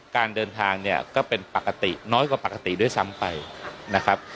การเดินทางเนี่ยก็เป็นปกติน้อยกว่าปกติด้วยซ้ำไปนะครับ